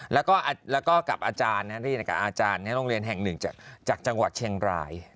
แล้วก็กับอาจารย์โรงเรียนแห่ง๑จากจังหวัดเชียงราย